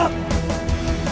aku mau ke sana